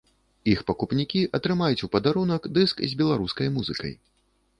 Іх пакупнікі атрымаюць у падарунак дыск з беларускай музыкай.